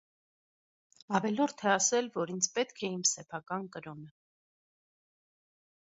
Ավելորդ է ասել, որ ինձ պետք է իմ սեփական կրոնը։